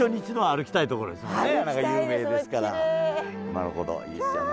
なるほどいいですよね。